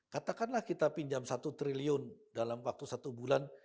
katakanlah kita pinjam satu triliun dalam waktu satu bulan